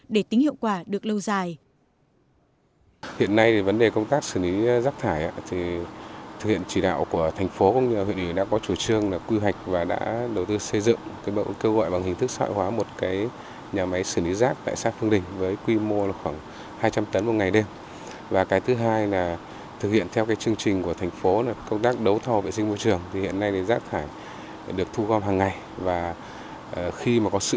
để tính hiệu quả được lâu dài